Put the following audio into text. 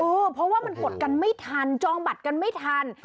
เพราะว่ามันกดกันไม่ทันจองบัตรกันไม่ทัน